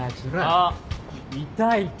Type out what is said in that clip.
あっいたいた。